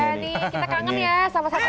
iya nih kita kangen ya sama satu siapnya